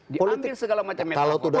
diambil segala macam metode